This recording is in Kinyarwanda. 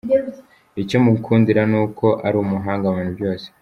Icyo mukundira ni uko ari umuhanga mu bintu byose.